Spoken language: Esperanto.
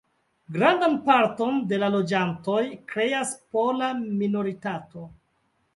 Grandan parton de la loĝantoj kreas pola minoritato.